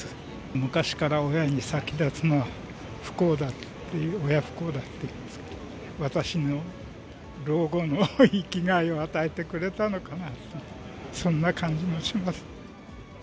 昔から、親に先立つのは不幸だという、親不孝だといいますけど、私の老後の生きがいを与えてくれたのかなと、そんな感じもします。